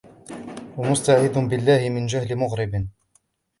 وَمُسْتَعِيذٍ بِاَللَّهِ مِنْ جَهْلٍ مُغْرِبٍ